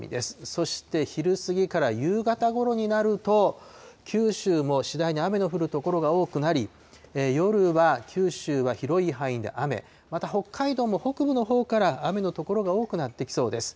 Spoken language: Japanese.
そして昼過ぎから夕方ごろになると、九州も次第に雨の降る所が多くなり、夜は九州は広い範囲で雨、また北海道も、北部のほうから雨の所が多くなってきそうです。